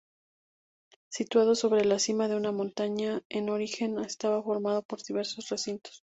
Situado sobre la cima de una montaña, en origen estaba formado por diversos recintos.